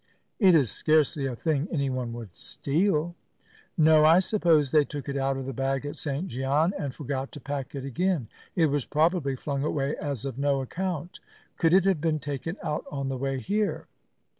"It is scarcely a thing anyone would steal." "No; I suppose they took it out of the bag at St. Gian, and forgot to pack it again. It was probably flung away as of no account." "Could it have been taken out on the way here?"